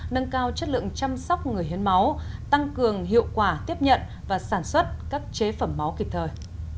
nâng cao chất lượng chăm sóc người hiến máu tăng cường hiệu quả tiếp nhận và sản xuất các chế phẩm máu kịp thời